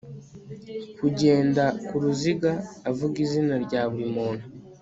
kugenda ku ruziga avuga izina rya buri muntu